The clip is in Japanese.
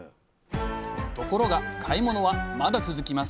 ところが買い物はまだ続きます。